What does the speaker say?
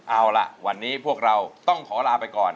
เอาล่ะวันนี้พวกเราต้องขอลาไปก่อน